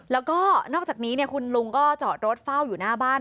แล้วก็นอกจากนี้คุณลุงก็จอดรถเฝ้าอยู่หน้าบ้าน